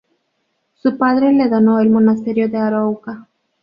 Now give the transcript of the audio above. Su padre le donó el Monasterio de Arouca.